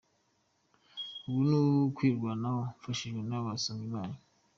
Ubu ni ukwirwanaho mfashijwe n’abasomyi banyu.